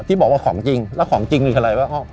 ที่บอกว่าของจริงแล้วของจริงคืออะไร